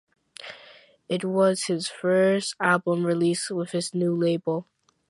It was his first album released with his new label.